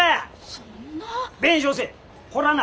そんな。